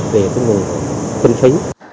về cái người phân phí